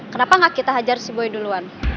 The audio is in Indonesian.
kenapa gak kita hajar si boya duluan